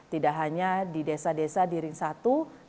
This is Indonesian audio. tidak hanya di desa desa diri satu nantinya kegiatan desa energi berdiri satu